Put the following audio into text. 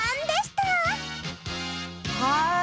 はい！